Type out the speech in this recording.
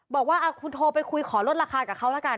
บอกว่าคุณโทรไปคุยขอลดราคากับเขาแล้วกัน